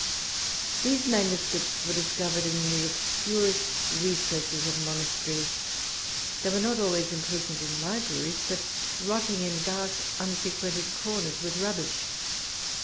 These manuscripts were discovered in the obscurest recesses of monasteries; they were not always imprisoned in libraries, but rotting in dark unfrequented corners with rubbish.